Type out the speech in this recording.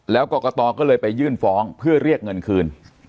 แล้วกรกตก็เลยไปยื่นฟ้องเพื่อเรียกเงินคืน